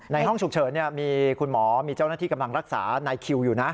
ห้องฉุกเฉินมีคุณหมอมีเจ้าหน้าที่กำลังรักษานายคิวอยู่นะ